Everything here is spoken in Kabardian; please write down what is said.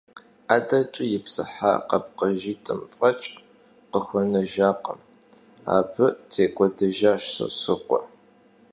'edeç'e yipsıha kuepkhışhit'ım f'eç' khıxenakhım – abı têk'uedejjaş Sosrıkhue.